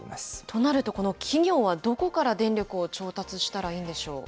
となるとこの企業はどこから電力を調達したらいいんでしょう。